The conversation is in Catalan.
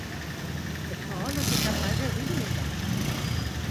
Això no té cap base rítmica!